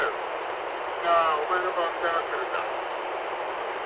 みんなお前の顔見たがってるんだ。